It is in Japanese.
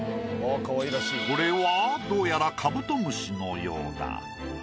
これはどうやらカブトムシのようだ。